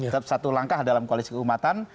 tetap satu langkah dalam koalisi keumatan